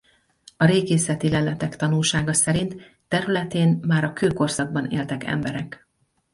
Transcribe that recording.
A régészeti leletek tanúsága szerint területén már a kőkorszakban éltek emberek.